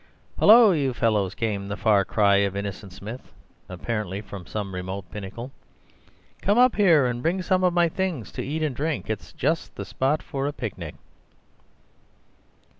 "Hullo, you fellows!" came the far cry of Innocent Smith, apparently from some remote pinnacle. "Come up here; and bring some of my things to eat and drink. It's just the spot for a picnic."